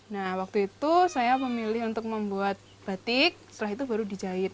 nah waktu itu saya memilih untuk membuat batik setelah itu baru dijahit